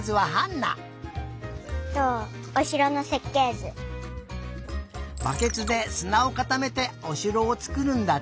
バケツですなをかためておしろをつくるんだって。